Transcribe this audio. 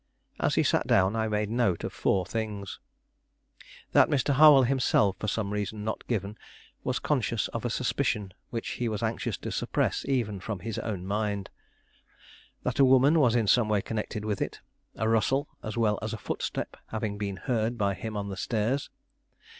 As he sat down I made note of four things. That Mr. Harwell himself, for some reason not given, was conscious of a suspicion which he was anxious to suppress even from his own mind. That a woman was in some way connected with it, a rustle as well as a footstep having been heard by him on the stairs.